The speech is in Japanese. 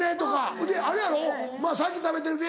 ほいであれやろ「先食べてるね」